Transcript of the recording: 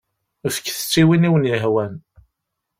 Fket-t i win i wen-yehwan.